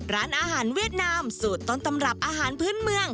ร้านอาหารเวียดนามสูตรต้นตำรับอาหารพื้นเมือง